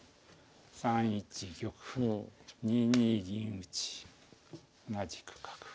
３一玉２二銀打同じく角。